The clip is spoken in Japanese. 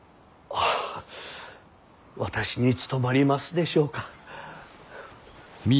あ私に務まりますでしょうか。